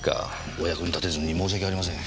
お役に立てずに申し訳ありません。